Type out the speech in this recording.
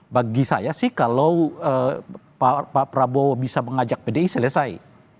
bagi saya sih kalau pak prabowo bisa mengajak pdi selesai